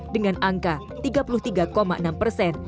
dengan angka tiga puluh tiga enam persen